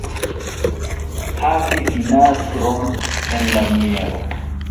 Havi vinagron en la mieno.